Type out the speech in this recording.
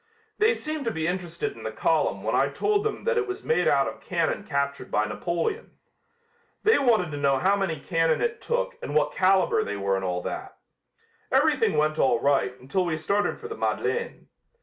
They seemed to be interested in the column when I told them that it was made out of cannon captured by Napoleon. They wanted to know how many cannon it took and what caliber they were and all that. Everything went all right until we started for the Madeleine.